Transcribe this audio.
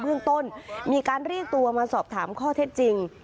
เรื่องต้นมีการเรียกตัวมาสอบถามข้อเท็จจริง